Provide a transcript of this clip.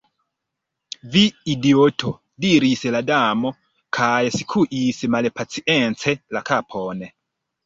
"Vi idioto!" diris la Damo, kaj skuis malpacience la kapon.